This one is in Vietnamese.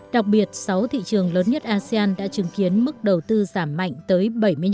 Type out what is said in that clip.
đặc biệt sáu thị trường lớn nhất asean đã chứng kiến mức đầu tư giảm mạnh tới bảy mươi năm